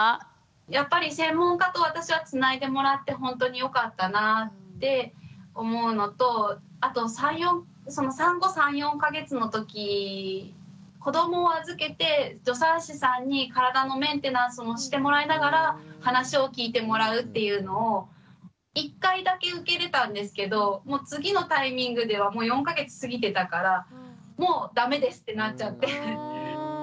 やっぱり専門家と私はつないでもらってほんとによかったなって思うのとあと産後３４か月のとき子どもを預けて助産師さんに体のメンテナンスもしてもらいながら話を聞いてもらうっていうのを１回だけ受けれたんですけどもう次のタイミングでは４か月過ぎてたからもう駄目ですってなっちゃって。